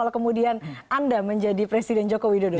kalau kemudian anda menjadi presiden joko widodo